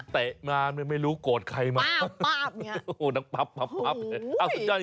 เตะมาไม่รู้โกรธใครมา